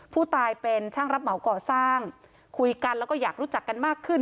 ผู้ตายเป็นช่างรับเหมาก่อสร้างคุยกันแล้วก็อยากรู้จักกันมากขึ้น